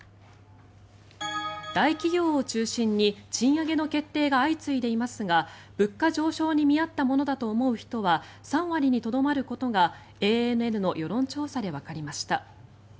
大企業を中心に賃上げの決定が相次いでいますが物価上昇に見合ったものだと思う人は３割にとどまることがＡＮＮの世論調査でわかりました。